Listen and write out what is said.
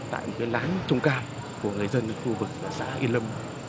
tại một cái lán trung cao của người dân khu vực xã yên lâm